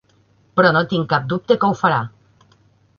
Però no tinc cap dubte que ho farà.